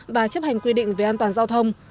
và chấp hành quy định về an toàn giao thông